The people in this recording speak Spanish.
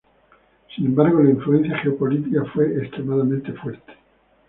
Sin embargo, la influencia geopolítica fue extremadamente fuerte.